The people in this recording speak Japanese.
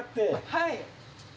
はい。